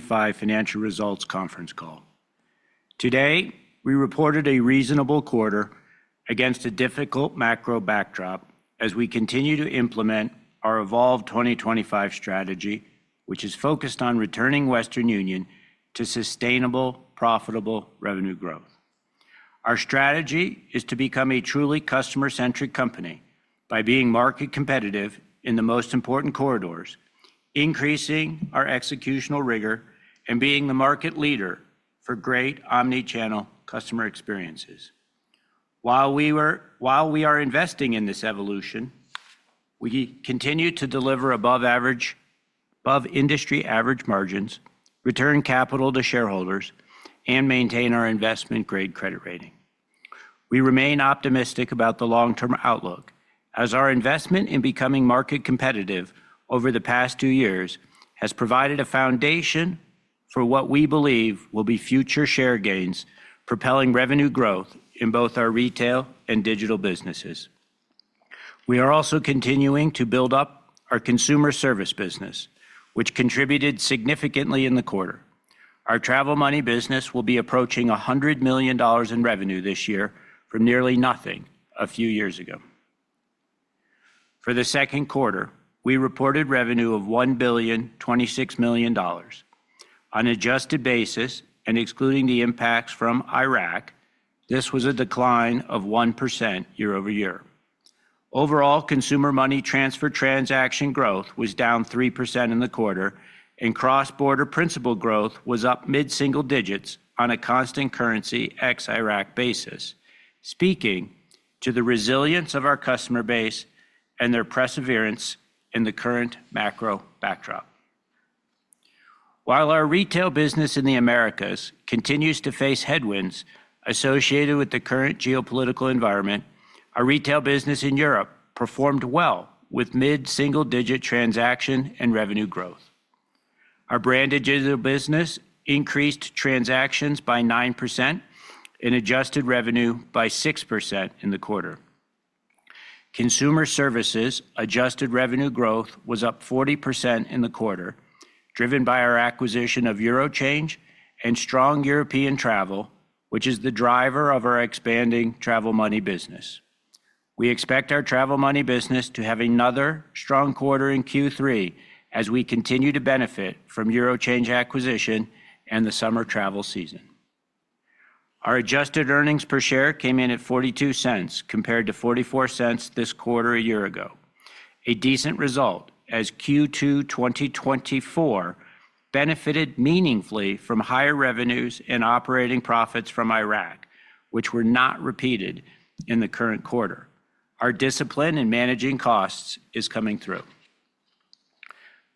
Financial Results Conference Call Today we reported a reasonable quarter against a difficult macro backdrop as we continue to implement our Evolve 2025 strategy, which is focused on returning Western Union to sustainable, profitable revenue growth. Our strategy is to become a truly customer-centric company by being market competitive in the most important corridors, increasing our executional rigor, and being the market leader for great omnichannel customer experiences. While we are investing in this evolution, we continue to deliver above industry average margins, return capital to shareholders, and maintain our investment grade credit rating. We remain optimistic about the long-term outlook, as our investment in becoming market competitive over the past two years has provided a foundation for what we believe will be future share gains, propelling revenue growth in both our retail and digital businesses. We are also continuing to build up our consumer service business, which contributed significantly in the quarter. Our travel money business will be approaching $100 million in revenue this year from nearly nothing a few years ago. For the second quarter, we reported revenue of $1,026,000,000 on an adjusted basis, and excluding the impacts from Iraq, this was a decline of 1% year over year. Overall consumer money transfer transaction growth was down 3% in the quarter, and cross-border principal growth was up mid-single digits on a constant currency ex Iraq basis, speaking to the resilience of our customer base and their perseverance in the current macro backdrop. While our retail business in the Americas continues to face headwinds associated with the current geopolitical environment, our retail business in Europe performed well with mid-single digit transaction and revenue growth. Our branded digital business increased transactions by 9% and adjusted revenue by 6% in the quarter. Consumer services adjusted revenue growth was up 40% in the quarter, driven by our acquisition of eurochange and strong European travel, which is the driver of our expanding travel money business. We expect our travel money business to have another strong quarter in Q3, and as we continue to benefit from the eurochange acquisition and the summer travel season, our adjusted earnings per share came in at $0.42 compared to $0.44 this quarter a year ago, a decent result as Q2 2024 benefited meaningfully from higher revenues and operating profits from Iraq, which were not repeated in the current quarter. Our discipline in managing costs is coming through.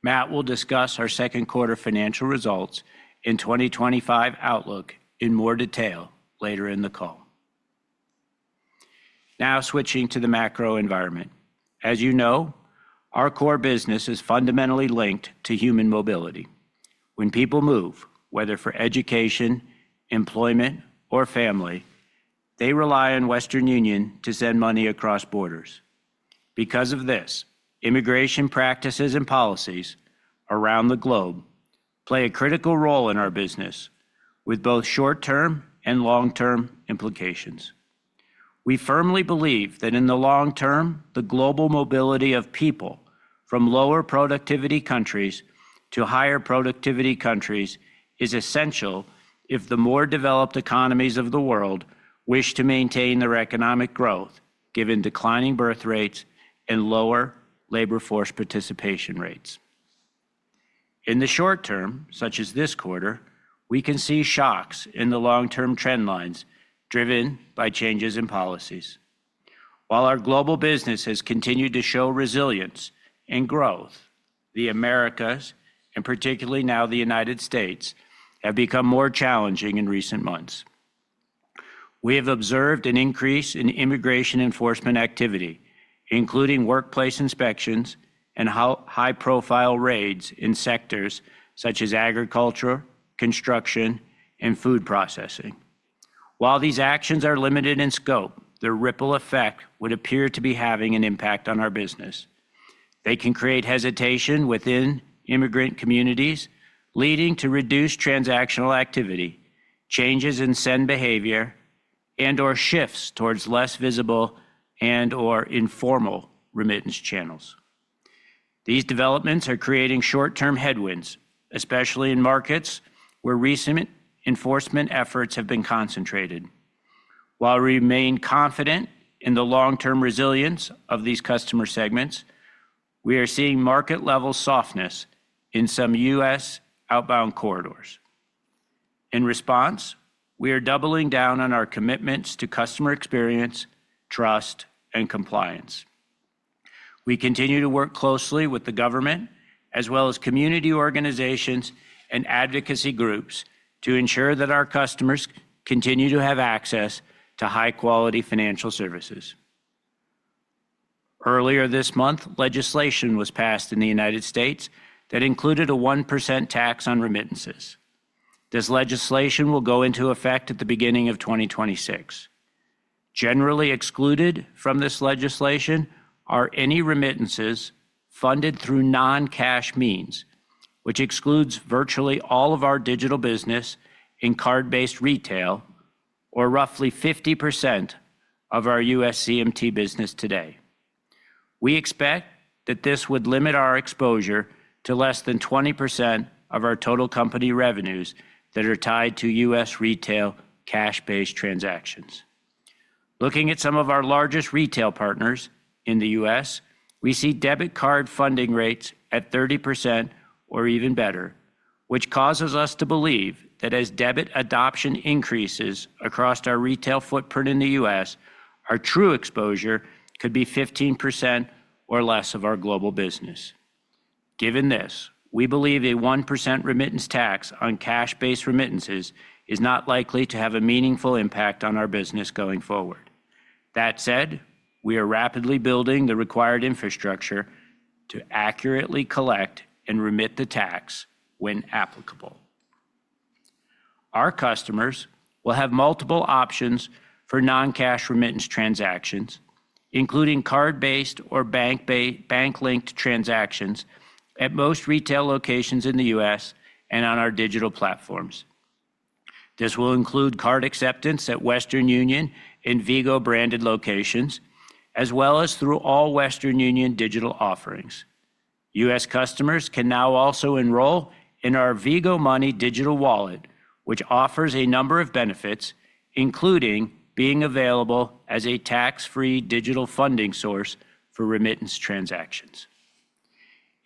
Matt will discuss our second quarter financial results and 2025 outlook in more detail later in the call. Now switching to the macro environment, as you know, our core business is fundamentally linked to human mobility. When people move, whether for education, employment, work, or family, they rely on Western Union to send money across borders. Because of this, immigration practices and policies around the globe play a critical role in our business with both short-term and long-term implications. We firmly believe that in the long term, the global mobility of people from lower productivity countries to higher productivity countries is essential if the more developed economies of the world wish to maintain their economic growth. Given declining birth rates and lower labor force participation rates, in the short term, such as this quarter, we can see shocks in the long term. Trend lines driven by changes in policies. While our global business has continued to show resilience and growth, the Americas and particularly now the United States have become more challenging. In recent months, we have observed an increase in immigration enforcement activity, including workplace inspections and high-profile raids in sectors such as agriculture, construction, and food processing. While these actions are limited in scope, the ripple effect would appear to be having an impact on our business. They can create hesitation within immigrant communities, leading to reduced transactional activity, changes in send behavior, and/or shifts towards less visible and/or informal remittance channels. These developments are creating short-term headwinds, especially in markets where recent enforcement efforts have been concentrated. While we remain confident in the long-term resilience of these customer segments, we are seeing market-level softness in some U.S. outbound corridors. In response, we are doubling down on our commitments to customer experience, trust, and compliance. We continue to work closely with the government as well as community organizations and advocacy groups to ensure that our customers can continue to have access to high quality financial services. Earlier this month, legislation was passed in the U.S. that included a 1% tax on remittances. This legislation will go into effect at the beginning of 2026. Generally excluded from this legislation are any remittances funded through non-cash means, which excludes virtually all of our digital business and card-based retail, or roughly 50% of our U.S. CMT business. Today we expect that this would limit our exposure to less than 20% of our total company revenues that are tied to U.S. retail cash-based transactions. Looking at some of our largest retail partners in the U.S., we see debit card funding rates at 30% or even better, which causes us to believe that as debit adoption increases across our retail footprint in the U.S., our true exposure could be 15% or less of our global business. Given this, we believe a 1% remittance tax on cash-based remittances is not likely to have a meaningful impact on our business going forward. That said, we are rapidly building the required infrastructure to accurately collect and remit the tax when applicable. Our customers will have multiple options for non-cash remittance transactions, including card-based or bank-linked transactions at most retail locations in the U.S. and on our digital platforms. This will include card acceptance at Western Union in Vigo branded locations as well as through all Western Union digital offerings. U.S. customers can now also enroll in our Vigo Money digital wallet, which offers a number of benefits including being available as a tax-free digital funding source for remittance transactions.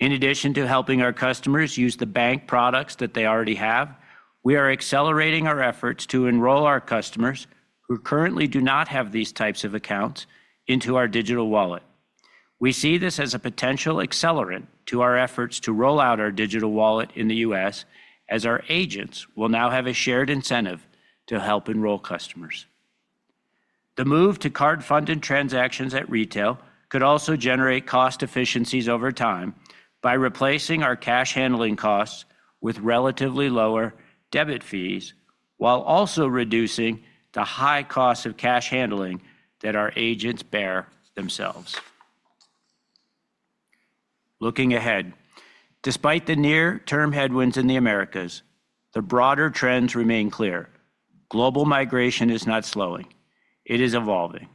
In addition to helping our customers use the bank products that they already have, we are accelerating our efforts to enroll our customers who currently do not have these types of accounts into our digital wallet. We see this as a potential accelerant to our efforts to roll out our digital wallet in the U.S. as our agents will now have a shared incentive to help enroll customers. The move to card-funded transactions at retail could also generate cost efficiencies over time by replacing our cash handling costs with relatively lower debit fees while also reducing the high cost of cash handling that our agents bear themselves. Looking ahead, despite the near-term headwinds in the Americas, the broader trends remain clear. Global migration is not slowing, it is evolving.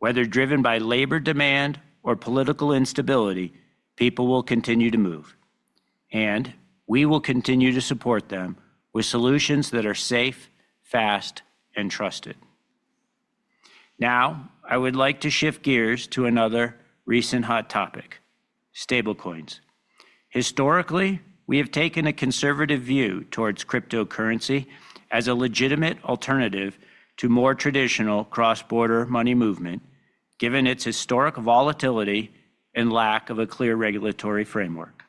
Whether driven by labor demand or political instability, people will continue to move and we will continue to support them with solutions that are safe, fast, and trusted. Now I would like to shift gears to another recent hot topic, stablecoins. Historically, we have taken a conservative view towards cryptocurrency as a legitimate alternative to more traditional cross-border money movement. Given its historic volatility and lack of a clear regulatory framework,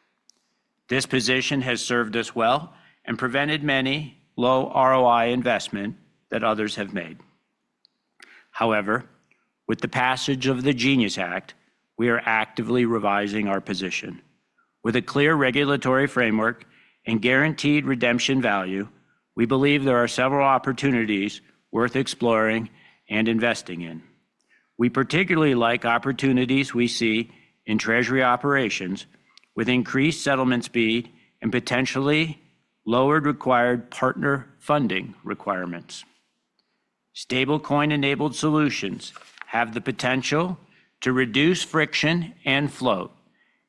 this position has served us well and prevented many low ROI investments that others have made. However, with the passage of the GENIUS Act, we are actively revising our position with a clear regulatory framework and guaranteed redemption value. We believe there are several opportunities worth exploring and investing in. We particularly like opportunities we see in treasury operations, with increased settlement speed and potentially lowered required partner funding requirements. Stablecoin-enabled solutions have the potential to reduce friction and float,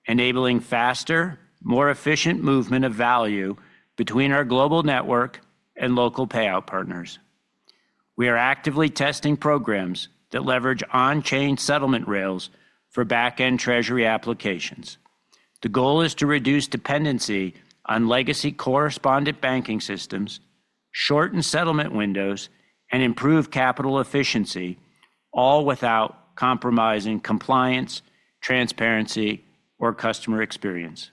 enabling faster, more efficient movement of value between our global network and local payout partners. We are actively testing programs that leverage on-chain settlement rails for back-end treasury applications. The goal is to reduce dependency on legacy correspondent banking systems, shorten settlement windows, and improve capital efficiency, all without compromising compliance, transparency, or customer experience.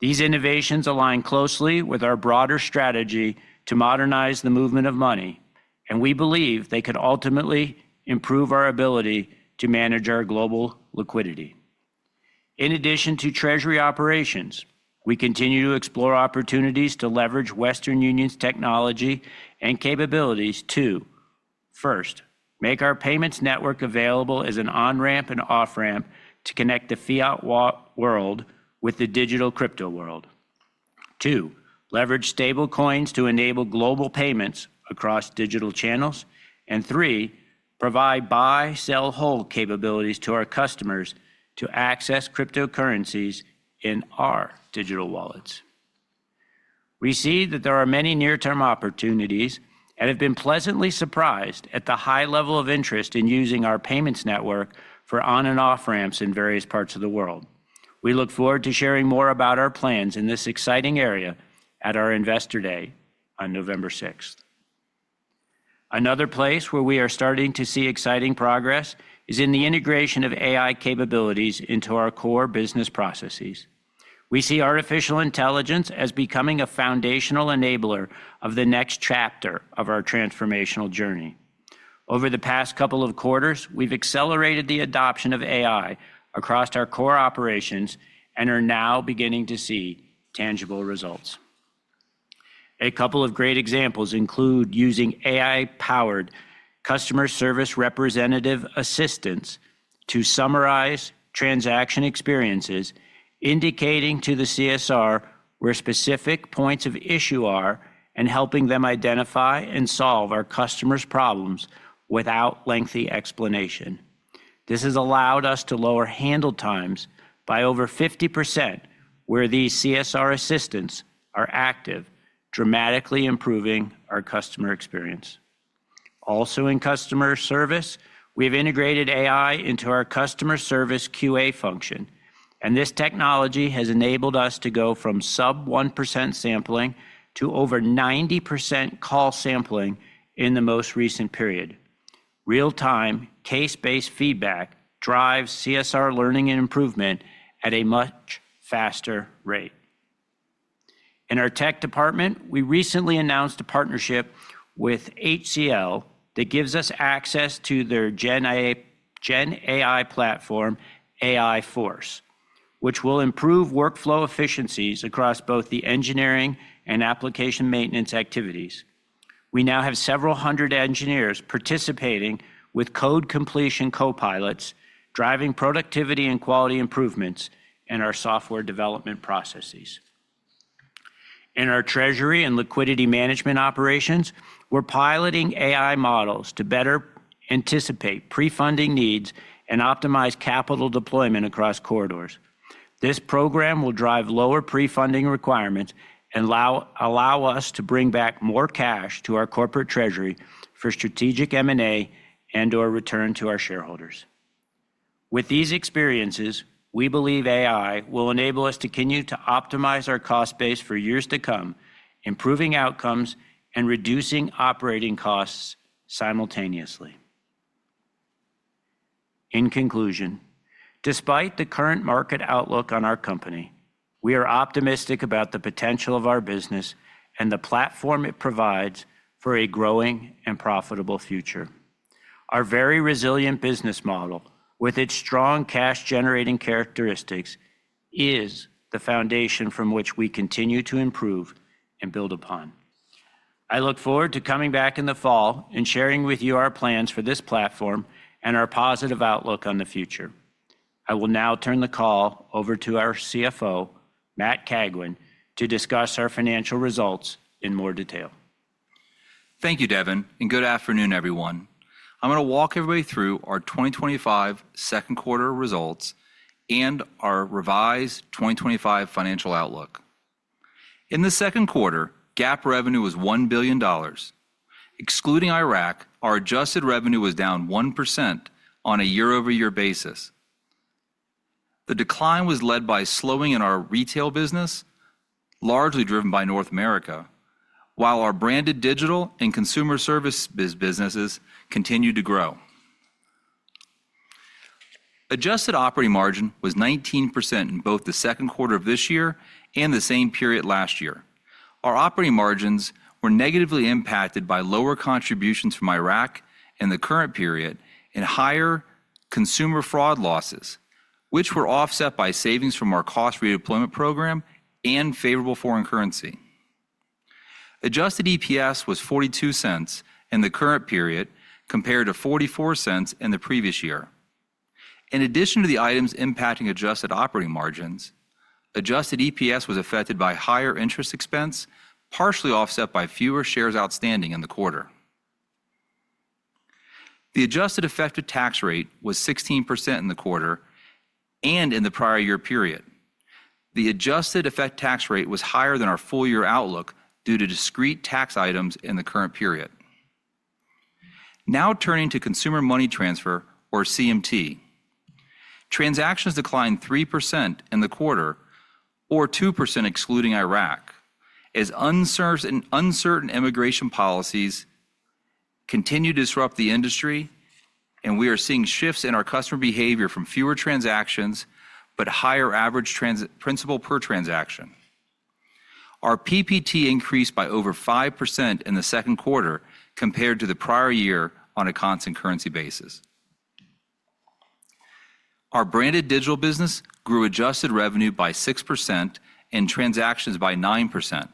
These innovations align closely with our broader strategy to modernize the movement of money and we believe they could ultimately improve our ability to manage our global liquidity. In addition to treasury operations, we continue to explore opportunities to leverage Western Union's technology and capabilities to first make our payments network available as an on-ramp and off-ramp to connect the fiat world with the digital crypto world, to leverage stablecoins to enable global payments across digital channels, and to provide buy, sell, hold capabilities to our customers to access cryptocurrencies in our digital wallets. We see that there are many near-term opportunities and have been pleasantly surprised at the high level of interest in using our payments network for on and off ramps in various parts of the world. We look forward to sharing more about our plans in this exciting area at our Investor Day on November 6th. Another place where we are starting to see exciting progress is in the integration of AI capabilities into our core business processes. We see artificial intelligence as becoming a foundational enabler of the next chapter of our transformational journey. Over the past couple of quarters, we've accelerated the adoption of AI across our core operations and are now beginning to see tangible results. A couple of great examples include using AI-powered customer service representative assistance to summarize transaction experiences, indicating to the CSR where specific points of issue are, and helping them identify and solve our customers' problems without lengthy explanation. This has allowed us to lower handle times by over 50% where these CSR assistants are active, dramatically improving our customer experience. Also in customer service, we have integrated AI into our customer service QA function, and this technology has enabled us to go from sub-1% sampling to over 90% call sampling in the most recent period. Real-time case-based feedback drives CSR learning and improvement at a much faster rate. In our tech department, we recently announced a partnership with HCL that gives us access to their gen AI platform, AI Force, which will improve workflow efficiencies across both the engineering and application maintenance activities. We now have several hundred engineers participating with code completion copilots, driving productivity and quality improvements in our software development processes. In our treasury and liquidity management operations, we're piloting AI models to better anticipate pre-funding needs and optimize capital deployment across corridors. This program will drive lower pre-funding requirements and allow us to bring back more cash to our corporate treasury for strategic M&A and/or return to our shareholders. With these experiences, we believe AI will enable us to continue to optimize our cost base for years to come, improving outcomes and reducing operating costs simultaneously. In conclusion, despite the current market outlook on our company, we are optimistic about the potential of our business and the platform it provides for a growing and profitable future. Our very resilient business model with its strong cash-generating characteristics is the foundation from which we continue to improve and build upon. I look forward to coming back in the fall and sharing with you our plans for this platform and our positive outlook on the future. I will now turn the call over to our CFO, Matt Cagwin, to discuss our financial results in more detail. Thank you Devin and good afternoon everyone. I'm going to walk everybody through our 2025 second quarter results and our revised 2025 financial outlook. In the second quarter, GAAP revenue was $1 billion. Excluding Iraq, our adjusted revenue was down 1% on a year-over-year basis. The decline was led by slowing in our retail business, largely driven by North America, while our branded digital and consumer services businesses continued to grow. Adjusted operating margin was 19% in both the second quarter of this year and the same period last year. Our operating margins were negatively impacted by lower contributions from Iraq in the current period and higher consumer fraud losses, which were offset by savings from our cost redeployment program and favorable foreign currency. Adjusted EPS was $0.42 in the current period compared to $0.44 in the previous year. In addition to the items impacting adjusted operating margins, adjusted EPS was affected by higher interest expense, partially offset by fewer shares outstanding in the quarter. The adjusted effective tax rate was 16% in the quarter and in the prior year period. The adjusted effective tax rate was higher than our full year outlook due to discrete tax items in the current period. Now turning to consumer money transfer or CMT. Transactions declined 3% in the quarter, or 2% excluding Iraq, as uncertain immigration policies continue to disrupt the industry and we are seeing shifts in our customer behavior from fewer transactions but higher average principal per transaction. Our PPT increased by over 5% in the second quarter compared to the prior year. On a constant currency basis, our branded digital business grew adjusted revenue by 6% and transactions by 9%.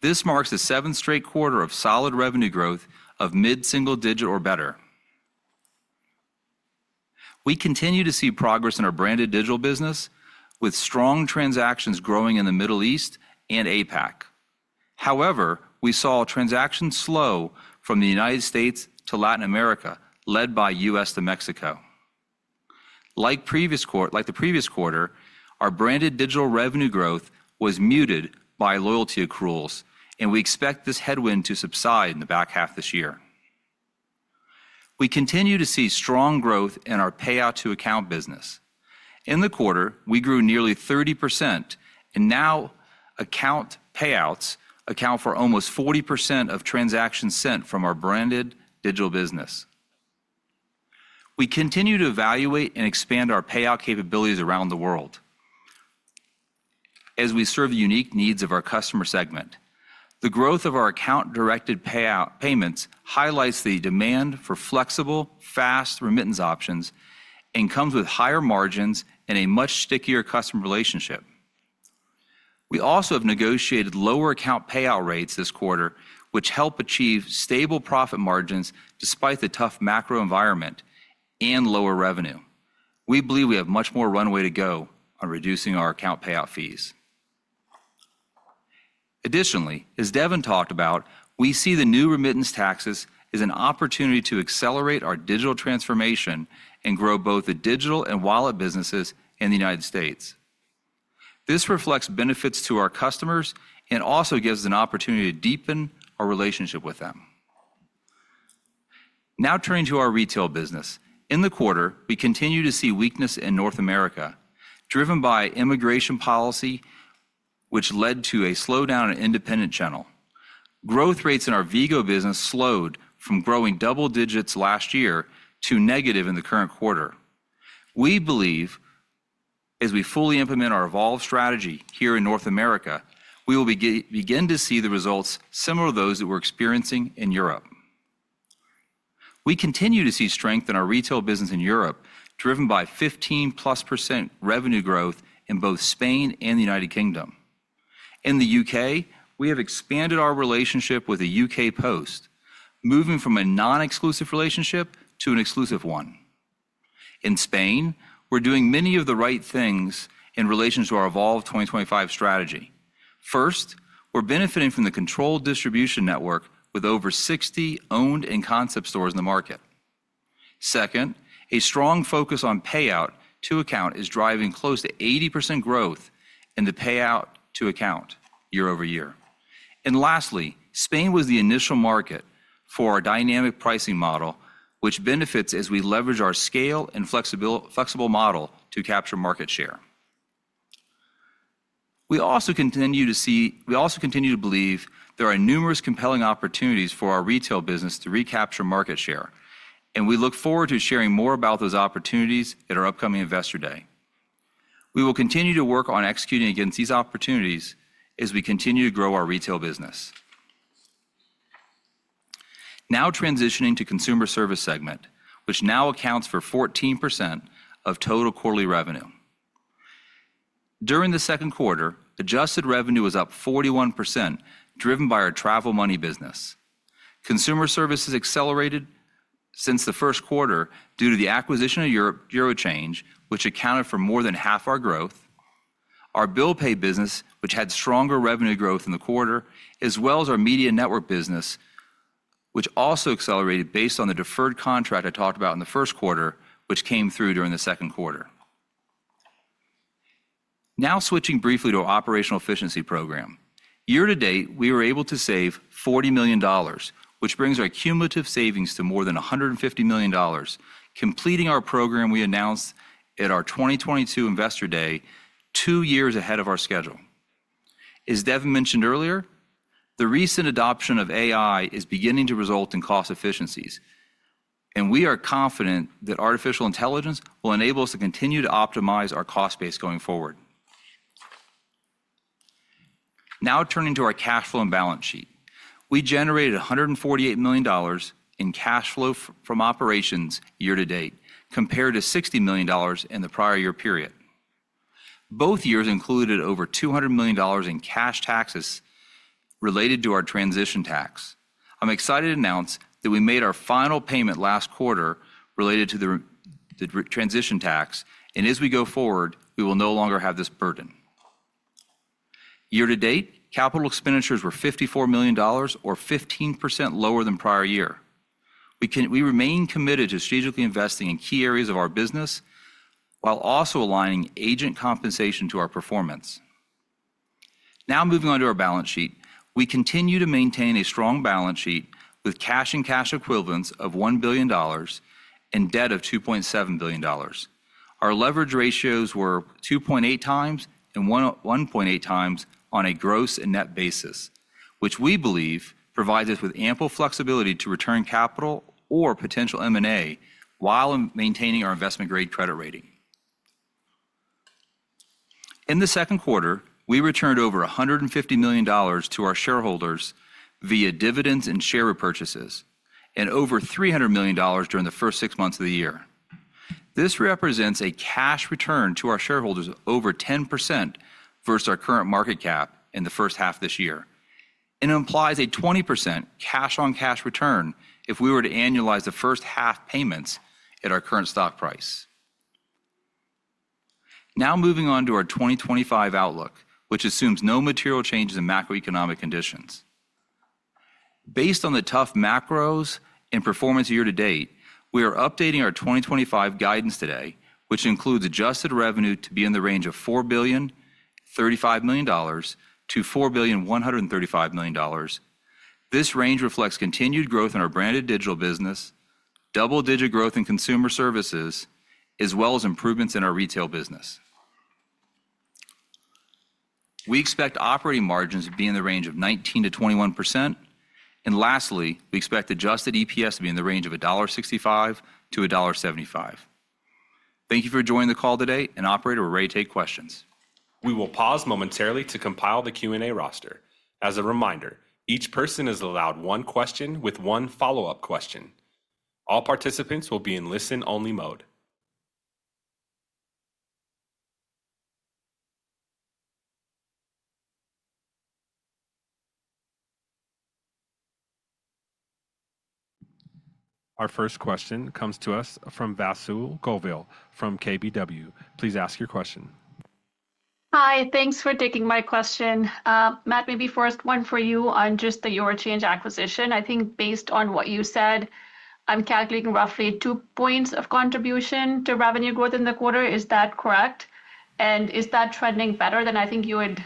This marks the seventh straight quarter of solid revenue growth of mid-single digit or better. We continue to see progress in our branded digital business with strong transactions growing in the Middle East and APAC. However, we saw transactions slow from the United States to Latin America, led by U.S. to Mexico. Like the previous quarter, our branded digital revenue growth was muted by loyalty accruals and we expect this headwind to subside in the back half this year. We continue to see strong growth in our payout-to-account business. In the quarter, we grew nearly 30% and now account payouts account for almost 40% of transactions sent from our branded digital business. We continue to evaluate and expand our payout capabilities around the world as we serve the unique needs of our customer segment. The growth of our account directed payments highlights the demand for flexible, fast remittance options and comes with higher margins and a much stickier customer relationship. We also have negotiated lower account payout rates this quarter, which help achieve stable profit margins. Despite the tough macro environment and lower revenue, we believe we have much more runway to go on reducing our account payout fees. Additionally, as Devin talked about, we see the new remittance taxes as an opportunity to accelerate our digital transformation and grow both the digital and wallet businesses in the U.S. This reflects benefits to our customers and also gives us an opportunity to deepen our relationship with them. Now turning to our retail business in the quarter, we continue to see weakness in North America driven by immigration policy, which led to a slowdown in independent channel growth rates, and our Vigo business slowed from growing double digits last year to negative in the current quarter. We believe as we fully implement our Evolve strategy here in North America, we will begin to see the results similar to those that we're experiencing in Europe. We continue to see strength in our retail business in Europe driven by 15% plus revenue growth in both Spain and the U.K. In the U.K., we have expanded our relationship with the UK Post, moving from a non-exclusive relationship to an exclusive one. In Spain, we're doing many of the right things in relation to our Evolve 2025 strategy. First, we're benefiting from the controlled distribution network with over 60 owned and concept stores in the market. Second, a strong focus on payout-to-account is driving close to 80% growth in the payout-to-account year over year. Lastly, Spain was the initial market for our dynamic pricing model, which benefits as we leverage our scale and flexible model to capture market share. We also continue to believe there are numerous compelling opportunities for our retail business to recapture market share, and we look forward to sharing more about those opportunities at our upcoming Investor Day. We will continue to work on executing against these opportunities as we continue to grow our retail business, now transitioning to consumer service segment, which now accounts for 14% of total quarterly revenue. During the second quarter, adjusted revenue was up 41%, driven by our travel money business. Consumer services accelerated since the first quarter due to the acquisition of eurochange, which accounted for more than half our growth. Our bill payment business, which had stronger revenue growth in the quarter, as well as our media network business, also accelerated based on the deferred contract I talked about in the first quarter, which came through during the second quarter. Now switching briefly to our operational efficiency program. Year-to-date, we were able to save $40 million, which brings our cumulative savings to more than $150 million, completing our program we announced at our 2022 Investor Day two years ahead of our schedule. As Devin mentioned earlier, the recent adoption of AI is beginning to result in cost efficiencies, and we are confident that artificial intelligence will enable us to continue to optimize our cost base going forward. Now turning to our cash flow and balance sheet, we generated $148 million in cash flow from operations year-to-date compared to $60 million in the prior year period. Both years included over $200 million in cash taxes related to our transition tax. I'm excited to announce that we made our final payment last quarter related to the transition tax, and as we go forward, we will no longer have this burden. Year-to-date, capital expenditures were $54 million, or 15% lower than prior year. We remain committed to strategically investing in key areas of our business while also aligning agent compensation to our performance. Now moving on to our balance sheet, we continue to maintain a strong balance sheet with cash and cash equivalents of $1 billion and debt of $2.7 billion. Our leverage ratios were 2.8x and 1.8x on a gross and net basis, which we believe provides us with ample flexibility to return capital or potential M&A while maintaining our investment grade credit rating. In the second quarter, we returned over $150 million to our shareholders via dividends and share repurchases and over $300 million during the first six months of the year. This represents a cash return to our shareholders over 10% versus our current market cap in the first half this year and implies a 20% cash on cash return if we were to annualize the first half payments at our current stock price. Now moving on to our 2025 outlook which assumes no material changes in macroeconomic conditions based on the tough macros and performance year-to-date. We are updating our 2025 guidance today, which includes adjusted revenue to be in the range of $4.035 billion to $4.135 billion. This range reflects continued growth in our branded digital business, double-digit growth in consumer services, as well as improvements in our retail business. We expect operating margins to be in the range of 19% to 21%, and lastly, we expect adjusted EPS to be in the range of $1.65 to $1.75. Thank you for joining the call today, and Operator, we're ready to take questions. We will pause momentarily to compile the Q&A roster. As a reminder, each person is allowed one question with one follow-up question. All participants will be in listen-only mode. Our first question comes to us from Vasu Govil from KBW. Please ask your question. Hi, thanks for taking my question, Matt. Maybe first one for you on just the eurochange acquisition. I think based on what you said, I'm calculating roughly 2% of contribution to revenue growth in the quarter. Is that correct, and is that trending better than I think you had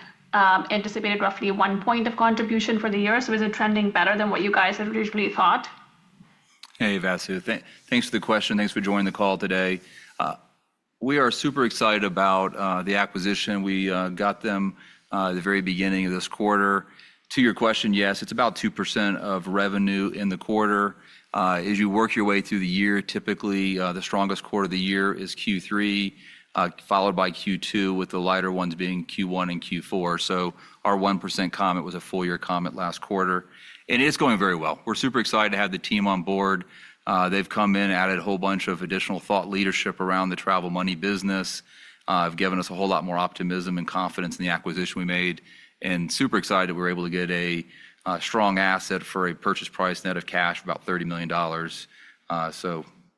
anticipated? Roughly 1% of contribution for the year. Is it trending better than what you guys originally thought? Hey Vasu, thanks for the question. Thanks for joining the call today. We are super excited about the acquisition. We got them at the very beginning of this quarter to your question. Yes, it's about 2% of revenue in the quarter as you work your way through the year. Typically, the strongest quarter of the year is Q3, followed by Q2, with the lighter ones being Q1 and Q4. Our 1% comment was a full year comment last quarter and it's going very well. We're super excited to have the team on board. They've come in, added a whole bunch of additional thought leadership around the travel money business, have given us a whole lot more optimism and confidence in the acquisition we made. We're super excited we're able to get a strong asset for a purchase price net of cash, about $30 million.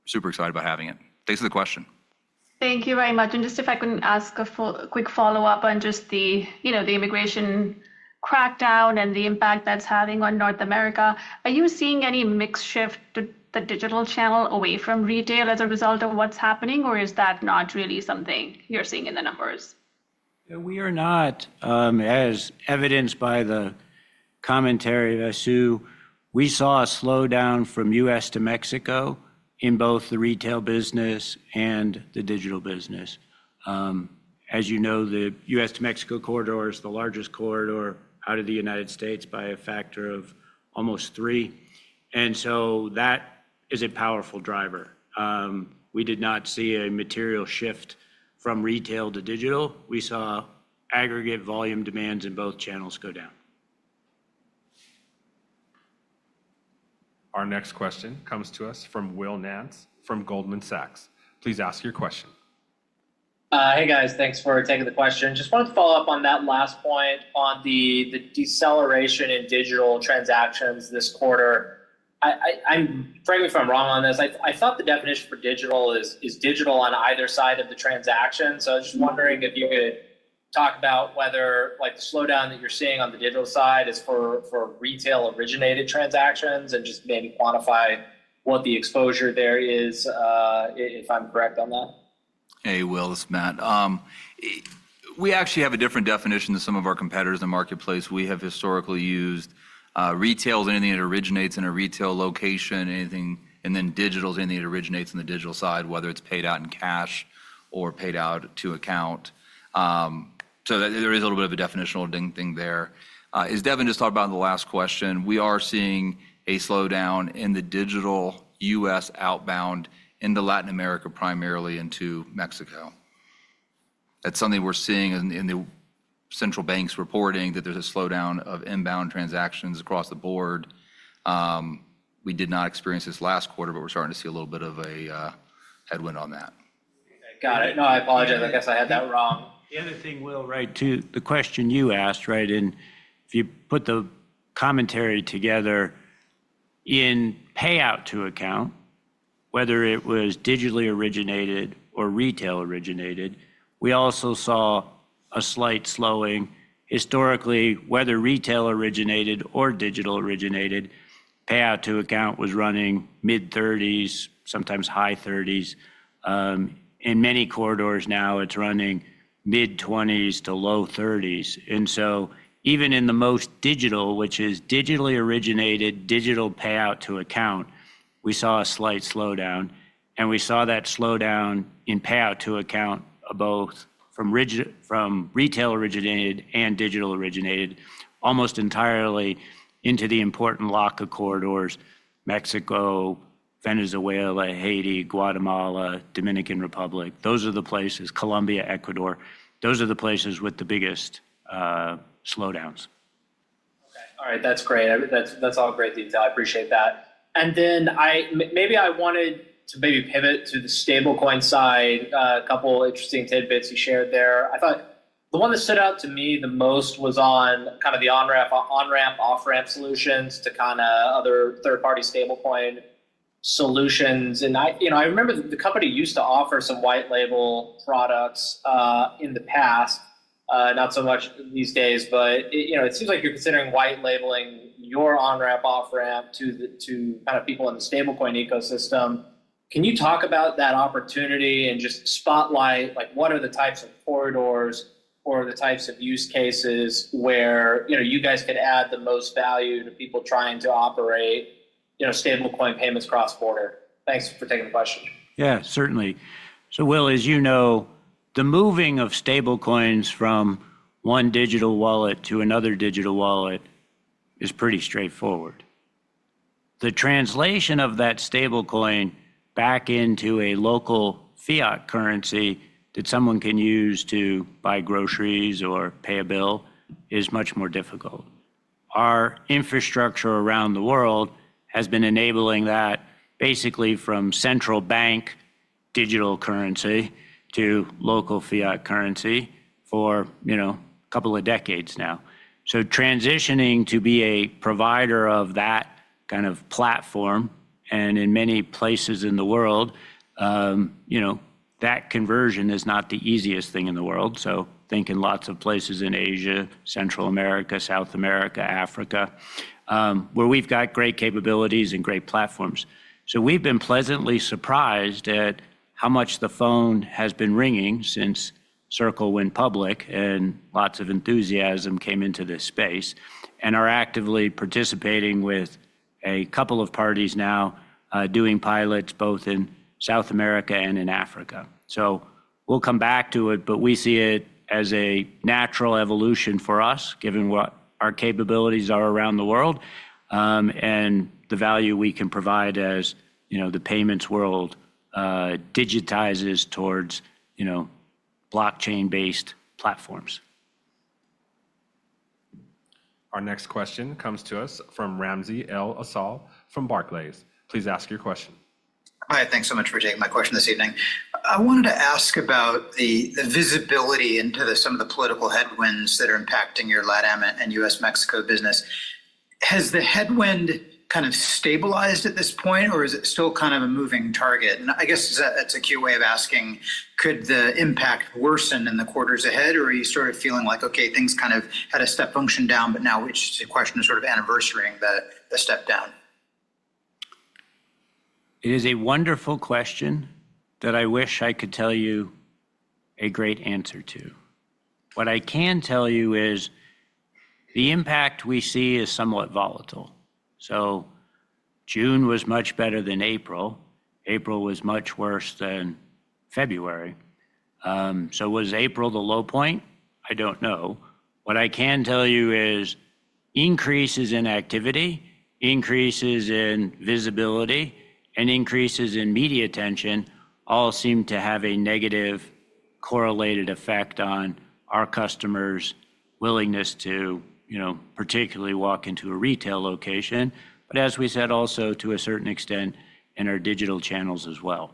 Super excited about having it. Thanks for the question. Thank you very much. If I could ask a quick follow up on the immigration crackdown and the impact that's having on North America, are you seeing any mix shift to the digital channel away from retail as a result of what's happening, or is that not really something you're seeing in the numbers? We are not, as evidenced by the commentary of as you, we saw a slowdown from U.S. to Mexico in both the retail business and the digital business. As you know, the U.S. to Mexico corridor is the largest corridor out of the United States by a factor of almost three, and that is a powerful driver. We did not see a material shift from retail to digital. We saw aggregate volume demands in both channels go down. Our next question comes to us from Will Nance from Goldman Sachs. Please ask your question. Hey guys, thanks for taking the question. Just wanted to follow up on that last point on the deceleration in digital transactions this quarter. Correct me if I'm wrong on this. I thought the definition for digital is digital on either side of the transaction. I was just wondering if you could talk about whether the slowdown that you're seeing on the digital side is for retail originated transactions and just maybe quantify what the exposure there is, if I'm correct on that. Hey, Will, it's Matt. We actually have a different definition than some of our competitors in the marketplace. We have historically used retail as anything that originates in a retail location, anything. Digital is anything that originates in the digital side, whether it's paid out in cash or paid out to account. There is a little bit of. A definitional ding thing there. As Devin just talked about in the last question, we are seeing a slowdown in the digital U.S. outbound into Latin America, primarily into Mexico. That's something we're seeing in the central banks reporting that there's a slowdown of inbound transactions across the board. We did not experience this last quarter, but we're starting to see a little bit of a headwind on that. Got it. No, I apologize. I guess I had that wrong. The other thing, right to the question you asked. If you put the commentary together in payout-to-account, whether it was digitally originated or retail originated, we also saw a slight slowing. Historically, whether retail originated or digital originated, payout-to-account was running mid 30%, sometimes high 30% in many corridors. Now it's running mid 20% to low 30%. Even in the most digital, which is digitally originated digital payout-to-account, we saw a slight slowdown. We saw that slowdown in payout-to-account both from retail originated and digital originated almost entirely into the important block of corridors: Mexico, Venezuela, Haiti, Guatemala, Dominican Republic. Those are the places. Colombia, Ecuador, those are the places with the biggest slowdowns. All right, that's great. That's all great detail. I appreciate that. I wanted to maybe pivot to the stablecoin side. A couple interesting tidbits you shared there. I thought the one that stood out to me the most was on kind of the on ramp, off ramp solutions to kind of other third party stablecoin solutions. I remember the company used to offer some white label products in the past, not so much these days. It seems like you're considering white labeling your on ramp, off ramp to people in the stablecoin ecosystem. Can you talk about that opportunity and just spotlight what are the types of corridors or the types of use cases where you guys could add the most value to people trying to operate stablecoin payments cross border? Thanks for taking the question. Yeah, certainly. Will, as you know, the moving of stablecoins from one digital wallet to another digital wallet is pretty straightforward. The translation of that stablecoin back into a local fiat currency that someone can use to buy groceries or pay a bill is much more difficult. Our infrastructure around the world has been enabling that basically from central bank digital currency to local fiat currency for a couple of decades now. Transitioning to be a provider of that kind of platform, in many places in the world that conversion is not the easiest thing in the world. Think in lots of places in Asia, Central America, South America, Africa, where we've got great capabilities and great platforms. We've been pleasantly surprised at how much the phone has been ringing since Circle went public and lots of enthusiasm came into this space and are actively participating with a couple of parties now doing pilots both in South America and in Africa. We'll come back to it. We see it as a natural evolution for us given what our capabilities are around the world and the value we can provide as the payments world digitizes towards blockchain based platforms. Our next question comes to us from Ramsey El-Assal from Barclays. Please ask your question. Hi. Thanks so much for taking my question this evening. I wanted to ask about the visibility into some of the political headwinds that are impacting your LATAM and U.S.-Mexico business. Has the headwind kind of stabilized at this point, or is it still kind of a moving target? I guess that's a cute way of asking, could the impact worsen in the quarters ahead, or are you sort of feeling like, okay, things kind of had a step function down, but now it's a question of sort of anniversarying that step down. It is a wonderful question that I wish I could tell you a great answer to. What I can tell you is the impact we see is somewhat volatile. June was much better than April. April was much worse than February. The low point, I don't know. What I can tell you is increases in activity, increases in visibility, and increases in media attention all seem to have a negatively correlated effect on our customers' willingness to, you know, particularly walk into a retail location. As we said, also to a certain extent in our digital channels as well.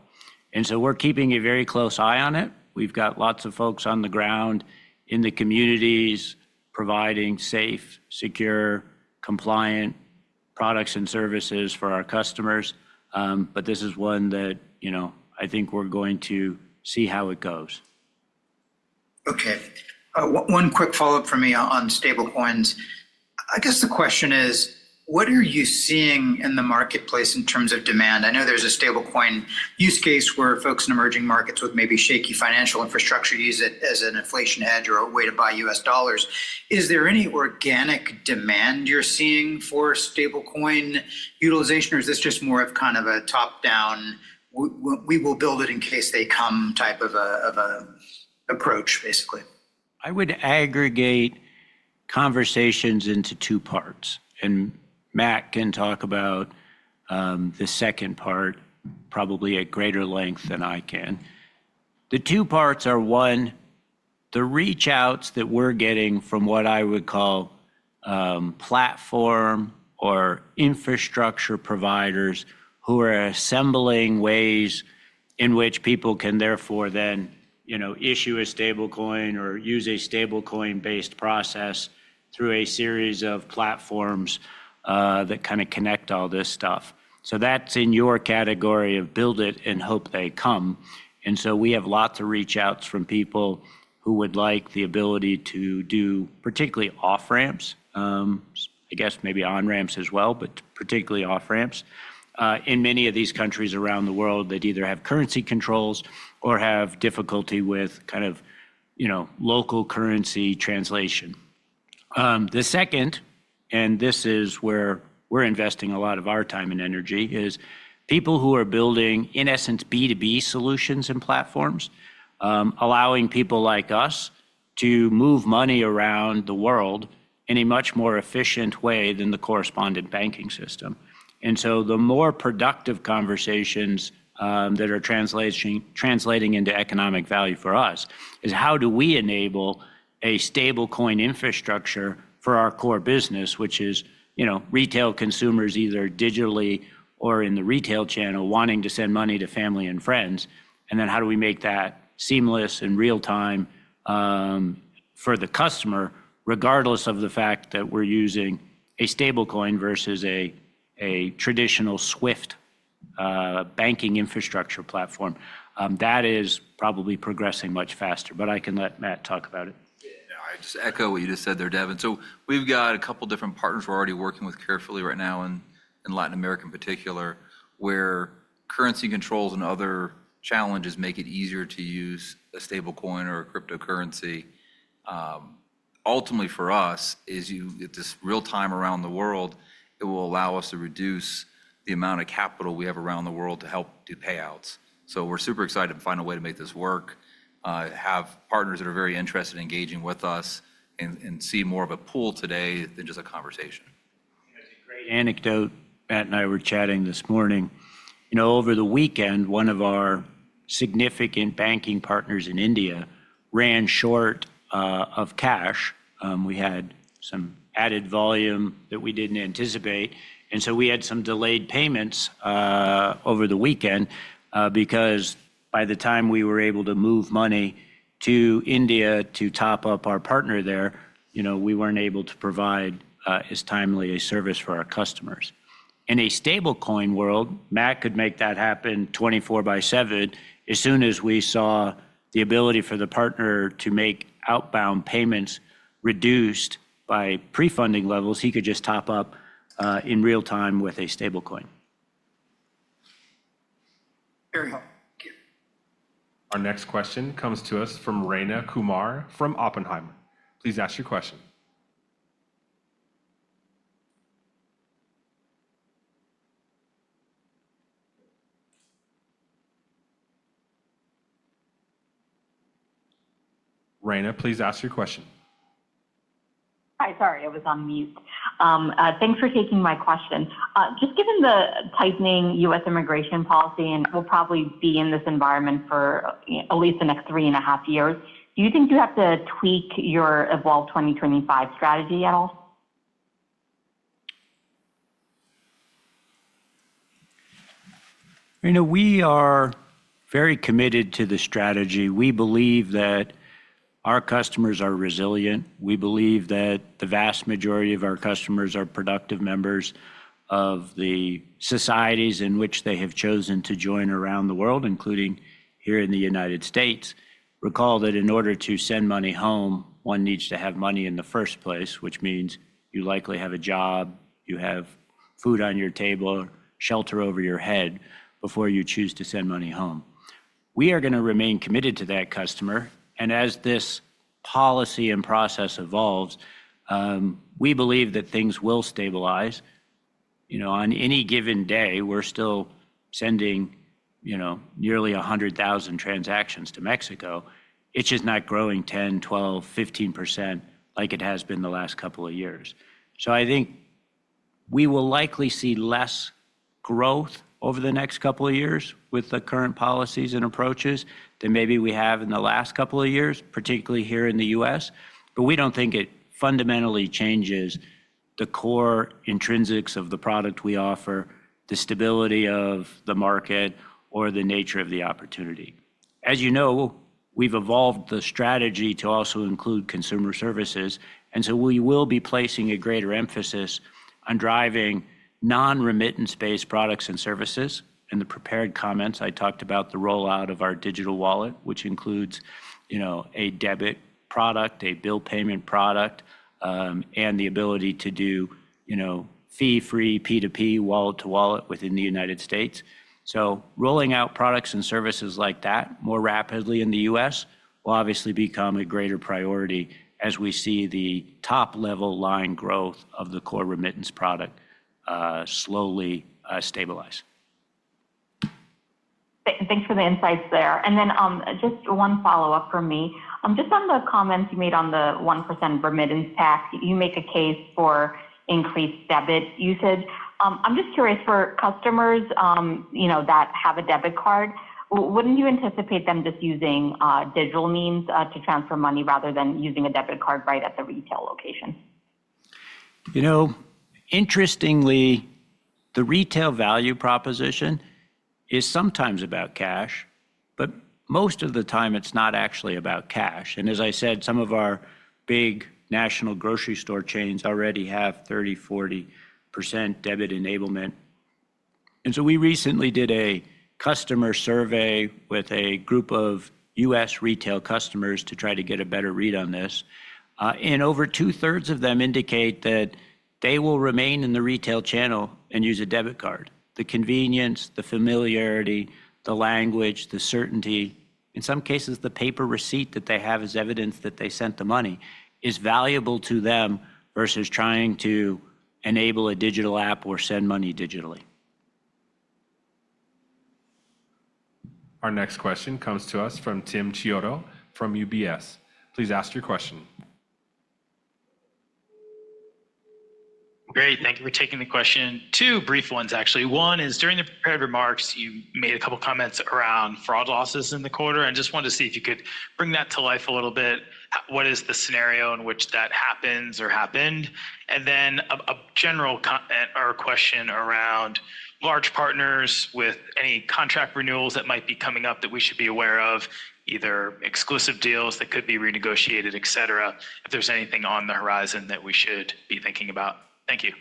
We are keeping a very close eye on it. We've got lots of folks on the ground in the communities providing safe, secure, compliant products and services for our customers. This is one that I think we're going to see how it goes. Okay, one quick follow up for me on stablecoins. I guess the question is what are you seeing in the marketplace in terms of demand? I know there's a stablecoin use case where folks in emerging markets with maybe shaky financial infrastructure use it as an inflation hedge or a way to buy US dollars. Is there any organic demand you're seeing for stablecoin utilization or is this just more of kind of a top down, we will build it in case they come type of approach? Basically, I would aggregate conversations into two parts, and Matt can talk about the second part probably at greater length than I can. The two parts are, one, the reach outs that we're getting from what I would call platform or infrastructure providers who are assembling ways in which people can therefore then issue a stablecoin or use a stablecoin-based process through a series of platforms that kind of connect all this stuff. That is in your category of build it and hope they come. We have lots of reach outs from people who would like the ability to do particularly off ramps, maybe on ramps as well, but particularly off ramps in many of these countries around the world that either have currency controls or have difficulty with local currency translation. The second, and this is where we're investing a lot of our time and energy, is people who are building, in essence, B2B solutions and platforms, allowing people like us to move money around the world in a much more efficient way than the correspondent banking system. The more productive conversations that are translating into economic value for us are how do we enable a stablecoin infrastructure for our core business, which is retail consumers, either digitally or in the retail channel, wanting to send money to family and friends. Then how do we make that seamless and real time for the customer, regardless of the fact that we're using a stablecoin versus a traditional Swift banking infrastructure platform. That is probably progressing much faster. I can let Matt talk about it. I just echo what you just said there, Devin. We've got a couple different partners we're already working with carefully right now in Latin America in particular, where currency controls and other challenges make it easier to use a stablecoin or a cryptocurrency. Ultimately for us, you get this real time around the world. It will allow us to reduce the amount of capital we have around the world to help do payouts. We're super excited to find a way to make this work, have partners that are very interested in engaging with us, and see more of a pool today than just a conversation. Great anecdote. Matt and I were chatting this morning. Over the weekend, one of our significant banking partners in India ran short of cash. We had some added volume that we didn't anticipate, and we had some delayed payments over the weekend because by the time we were able to move money to India to top up our partner there, we weren't able to provide as timely a service for our customers. In a stablecoin world, Matt could make that happen 24 by 7. As soon as we saw the ability for the partner to make outbound payments reduced by pre-funding levels, he could just top up in real time with a stablecoin. Our next question comes to us from Rayna Kumar from Oppenheimer. Please ask your question. Raina, please ask your question. Hi, sorry, I was on mute. Thanks for taking my question. Just given the tightening U.S. immigration policy and we'll probably be in this environment for at least the next three and a half years, do you think you have to tweak your Evolve 2025 strategy at all? We are very committed to the strategy. We believe that our customers are resilient. We believe that the vast majority of our customers are productive members of the societies in which they have chosen to join around the world, including here in the U.S. Recall that in order to send money home, one needs to have money in the first place, which means you likely have a job, you have food on your table, shelter over your head before you choose to send money home. We are going to remain committed to that customer. As this policy and process evolves, we believe that things will stabilize on any given day. We're still sending nearly 100,000 transactions to Mexico. It's just not growing 10%, 12%, 15% like it has been the last couple of years. I think we will likely see less growth over the next couple of years with the current policies and approaches than maybe we have in the last couple of years, particularly here in the U.S., but we don't think it fundamentally changes the core intrinsics of the product we offer, the stability of the market, or the nature of the opportunity. As you know, we've evolved the strategy to also include consumer services, and we will be placing a greater emphasis on driving non-remittance based products and services. In the prepared comments, I talked about the rollout of our digital wallet, which includes a debit product, a bill payment product, and the ability to do fee-free P2P wallet to wallet within the United States. Rolling out products and services like that more rapidly in the U.S. will obviously become a greater priority as we see the top line growth of the core remittance product slowly stabilize. Thanks for the insights there. Just one follow up from me on the comments you made on the 1% remittance tax. You make a case for increased debit usage. I'm just curious, for customers that have a debit card, wouldn't you anticipate them just using digital means to transfer money rather than using a debit card right at the retail location? Interestingly, the retail value proposition is sometimes about cash, but most of the time it's not actually about cash. As I said, some of our big national grocery store chains already have 30% to 40% debit enablement. We recently did a customer survey with a group of U.S. retail customers to try to get a better read on this, and over two thirds of them indicate that they will remain in the retail channel and use a debit card. The convenience, the familiarity, the language, the certainty, in some cases the paper receipt that they have as evidence that they sent the money, is valuable to them versus trying to enable a digital app or send money digitally. Our next question comes to us from Tim Chiodo from UBS. Please ask your question. Great. Thank you for taking the question. Two brief ones actually. One is during the prepared remarks you made a couple comments around fraud losses in the quarter, and just wanted to see if you could bring that to life a little bit. What is the scenario in which that happens or happened? A general question around large partners with any contract renewals that might be coming up that we should be aware of, either exclusive deals that could be renegotiated, etc. If there's anything on the horizon that we should be thinking about. Thank you.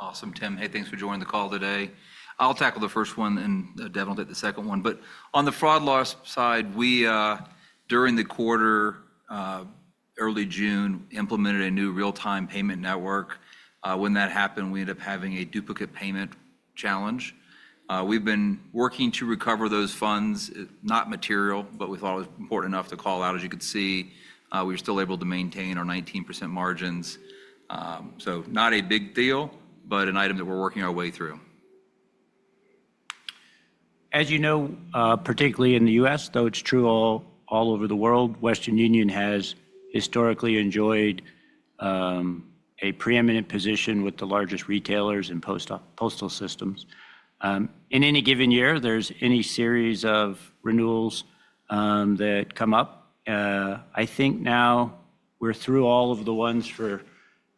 Awesome. Tim, thanks for joining the call today. I'll tackle the first one and Devin will take the second one. On the fraud loss side, we during the quarter early June implemented a new real time payment network. When that happened, we ended up having a duplicate payment challenge. We've been working to recover those funds. Not material, but we thought it was important enough to call out. As you can see, we were still able to maintain our 19% margins. Not a big deal, but an item that we're working our way through. As you know, particularly in the U.S. though it's true all over the world, Western Union has historically enjoyed a preeminent position with the largest retailers and post office coastal systems. In any given year there's any series of renewals that come up. I think now we're through all of the ones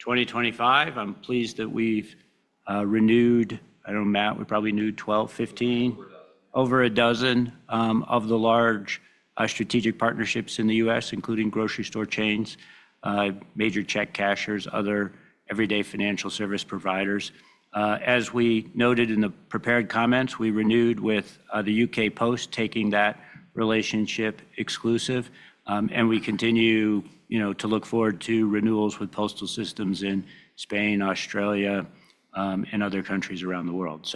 for 2025. I'm pleased that we've renewed. I don't know, Matt, we probably renewed 12, 15, over a dozen of the large strategic partnerships in the U.S. including grocery store chains, major check cashers, other everyday financial service providers. As we noted in the prepared comments, we renewed with the UK Post, taking that relationship exclusive. We continue to look forward to renewals with postal systems in Spain, Australia, and other countries around the world.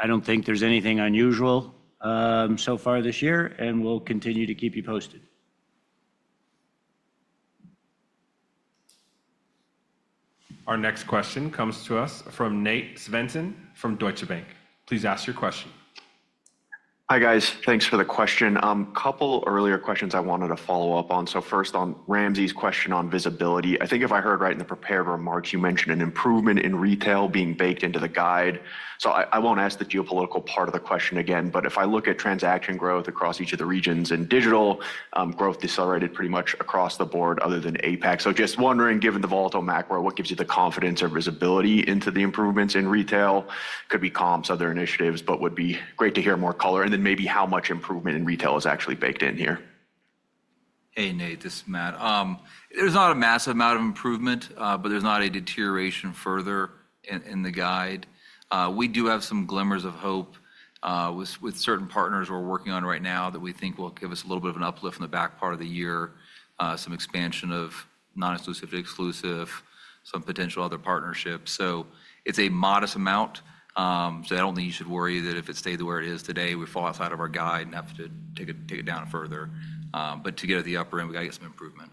I don't think there's anything unusual so far this year and we'll continue to keep you posted. Our next question comes to us from Nate Svensson from Deutsche Bank. Please ask your question. Hi guys, thanks for the question. Couple earlier questions I wanted to follow up on. First, on Ramsey's question on visibility, I think if I heard right in the prepared remarks you mentioned an improvement in retail being baked into the guide. I won't ask the geopolitical part of the question again. If I look at transaction growth across each of the regions and digital growth decelerated pretty much across the board other than APAC, just wondering given the volatile macro, what gives you the confidence or visibility into the improvements in retail? Could be comps or other initiatives, but would be great to hear more color and then maybe how much improvement in retail is actually baked in here. Hey Nate, this is Matt. There's not a massive amount of improvement, but there's not a deterioration. Further in the guide, we do have some glimmers of hope with certain partners we're working on right now that we think will give us a little bit of an uplift in the back part of the year, some expansion of non-exclusive to exclusive, some potential other partnerships. It's a modest amount. I don't think you should worry that if it stayed the way it is today, we fall outside of our guide and have to take it down further. To get at the upper end, we gotta get some improvement.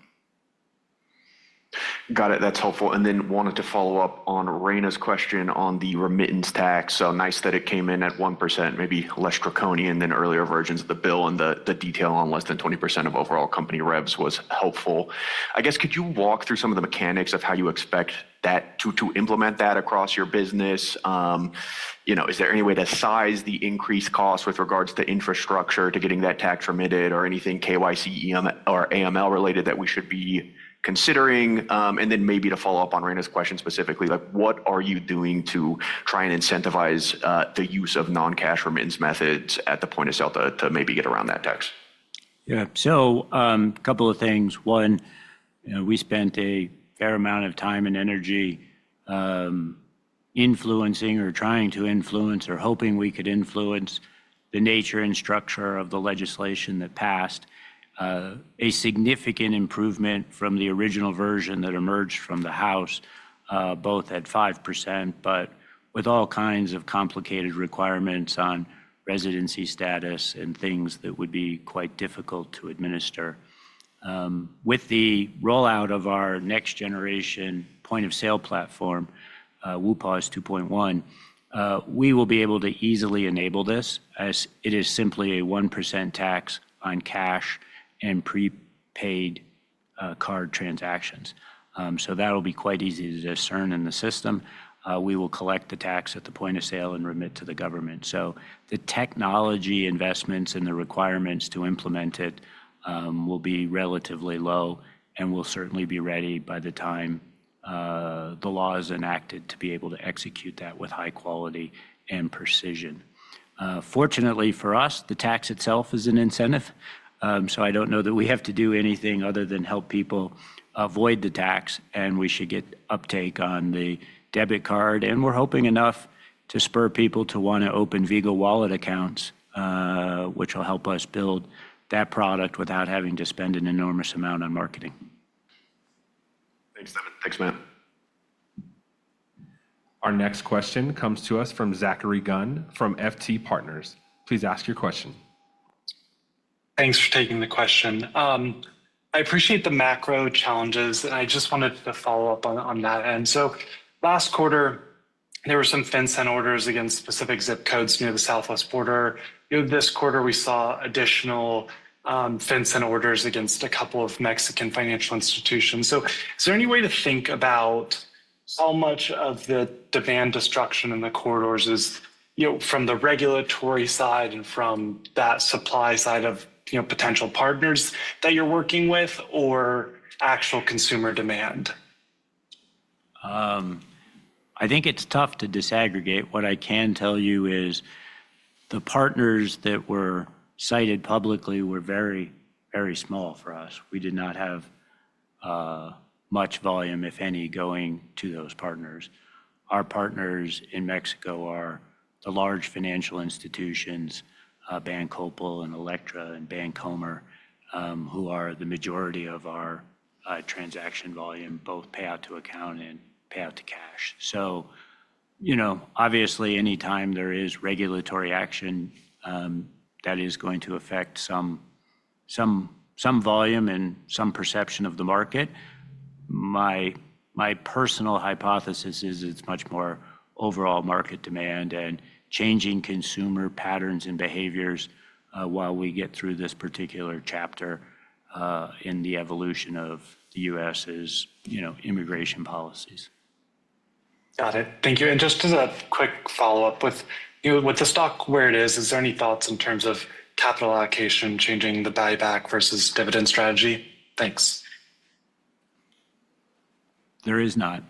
Got it. That's helpful. I wanted to follow up on Rayna's question on the remittance tax. It's nice that it came in at 1%, maybe less draconian than earlier versions of the bill, and the detail on less than 20% of overall company revenue was helpful, I guess. Could you walk through some of the mechanics of how you expect to implement that across your business? Is there any way to size the increased cost with regards to infrastructure to getting that tax remitted or anything KYC or AML related that we should be considering? Maybe to follow up on Raina's question specifically, what are you doing to try and incentivize the use of non-cash remittance methods at the point of sale to maybe get around that tax? Yeah. A couple of things. One, we spent a fair amount of time and energy influencing or trying to influence or hoping we could influence the nature and structure of the legislation that passed. A significant improvement from the original version that emerged from the House, both at 5%, but with all kinds of complicated requirements on residency status and things that would be quite difficult to administer with the rollout of our next generation point of sale platform. WUPOS 2.1. We will be able to easily enable this as it is simply a 1% tax on cash and prepaid card transactions. That will be quite easy to discern in the system. We will collect the tax at the point of sale and remit to the government. The technology investments and the requirements to implement it will be relatively low and we'll certainly be ready by the time the law is enacted to be able to execute that with high quality and precision. Fortunately for us, the tax itself is an incentive. I don't know that we have to do anything other than help people avoid the tax and we should get uptake on the debit card. We're hoping enough to spur people to want to open Vigo wallet accounts, which will help us build that product without having to spend an enormous amount on marketing. Thanks, Devin. Thanks Matt. Our next question comes to us from Zachary Gunn from FT Partners. Please ask your question. Thanks for taking the question. I appreciate the macro challenges, and I just wanted to follow up on that end. Last quarter there were some fence-in orders against specific zip codes near the southwest border. This quarter we saw additional fence-in orders against a couple of Mexican financial institutions. Is there any way to think about how much of the demand destruction in the corridors is from the regulatory side and from that supply side of potential partners that you're working with or actual consumer demand? I think it's tough to disaggregate. What I can tell you is the partners that were cited publicly were very, very small for us. We did not have much volume, if any, going to those partners. Our partners in Mexico are the large financial institutions BanCoppel and Elektra and Bancomer, who are the majority of our transaction volume, both payout to account and payout to cash. Obviously, anytime there is regulatory action, that is going to affect some volume and some perception of the market. My personal hypothesis is it's much more overall market demand and changing consumer patterns and behaviors while we get through this particular chapter in the evolution of the U.S.'s immigration policies. Got it. Thank you. Just as a quick follow-up with the stock where it is, is there any thoughts in terms of capital allocation, changing the buyback versus dividend strategy? Thanks. There is not.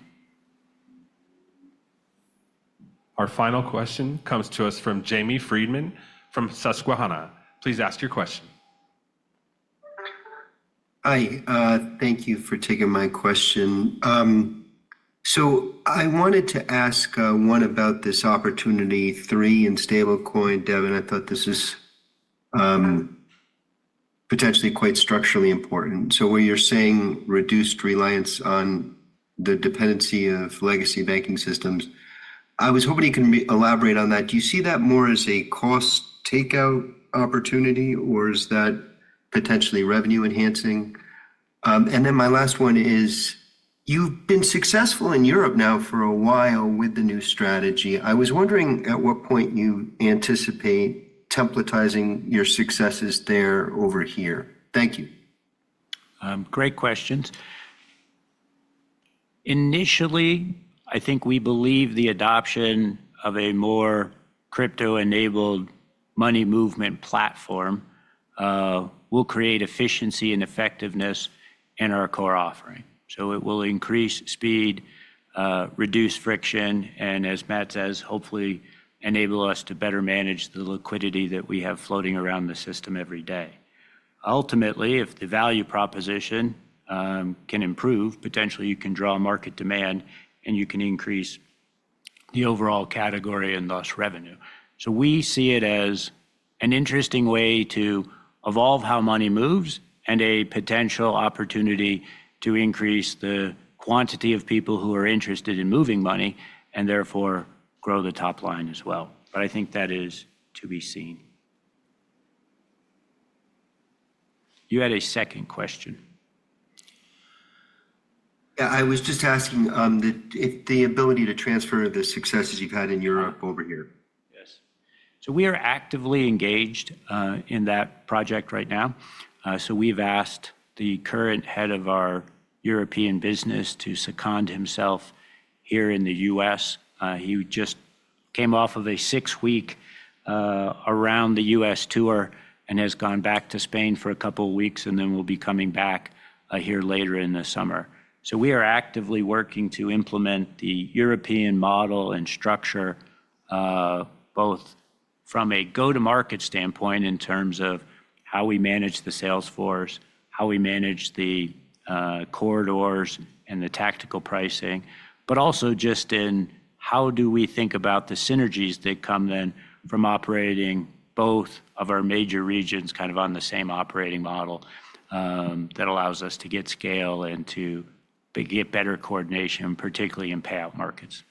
Our final question comes to us from Jamie Friedman from Susquehanna. Please ask your question. Hi. Thank you for taking my question. I wanted to ask one about this opportunity three in stablecoin. Devin, I thought this is potentially quite structurally important. Where you're saying reduced reliance on the dependency of legacy banking systems, I was hoping you can elaborate on that. Do you see that more as a cost takeout opportunity or is that potentially revenue enhancing? My last one is you've been successful in Europe now for a while with the new strategy. I was wondering at what point you anticipate templatizing your successes there over here. Thank you. Great questions. Initially, I think we believe the adoption of a more crypto-enabled money movement platform will create efficiency and effectiveness in our core offering. It will increase speed, reduce friction, and as Matt says, hopefully enable us to better manage the liquidity that we have floating around the system every day. Ultimately, if the value proposition can improve, potentially you can draw market demand and you can increase the overall category and lost revenue. We see it as an interesting way to evolve how money moves and a potential opportunity to increase the quantity of people who are interested in moving money and therefore grow the top line as well. I think that is to be seen. You had a second question? Yeah, I was just asking the ability to transfer the successes you've had in Europe over here. Yes, we are actively engaged in that project right now. We've asked the current head of our European business to second himself here in the U.S. He just came off of a six-week around the U.S. tour and has gone back to Spain for a couple of weeks and then will be coming back here later in the summer. We are actively working to implement the European model and structure both from a go-to-market standpoint in terms of how we manage the sales force, how we manage the corridors, and the tactical pricing. Also, in how we think about the synergies that come from operating both of our major regions on the same operating model that allows us to get scale and to get better coordination, particularly in payout markets.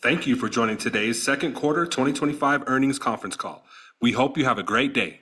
Thank you for joining today's second quarter 2025 earnings conference call. We hope you have a great day.